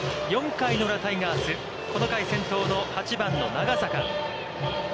４回裏タイガース、この回先頭の８番の長坂。